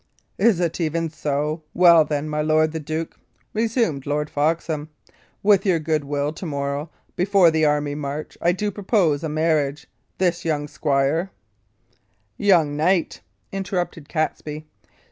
"Is it even so? Well, then, my lord the duke," resumed Lord Foxham, "with your good will, to morrow, before the army march, I do propose a marriage. This young squire " "Young knight," interrupted Catesby.